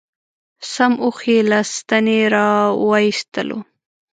سم اوښ یې له ستنې را و ایستلو.